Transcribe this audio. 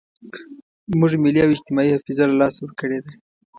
موږ ملي او اجتماعي حافظه له لاسه ورکړې ده.